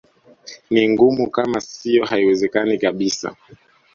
Ni ngumu kama sio haiwezekani kabisa